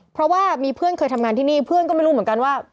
เพราะว่ามีเพื่อนเคยทำงานที่นี่เพื่อนก็ไม่รู้เหมือนกันว่า